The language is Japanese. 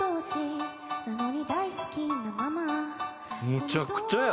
むちゃくちゃや！